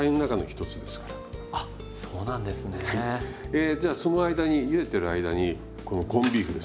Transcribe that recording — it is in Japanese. えじゃあその間にゆでてる間にこのコンビーフですね。